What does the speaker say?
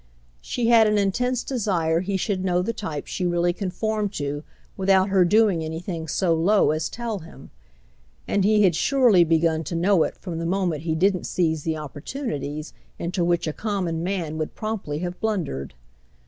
She had an intense desire he should know the type she really conformed to without her doing anything so low as tell him, and he had surely begun to know it from the moment he didn't seize the opportunities into which a common man would promptly have blundered.